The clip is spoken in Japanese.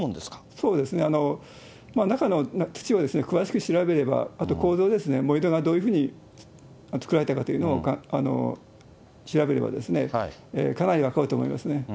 そうですね、中の土を詳しく調べれば、あと構造ですね、盛り土がどういうふうに作られたかというのを調べれば、かなり分かると思いますね。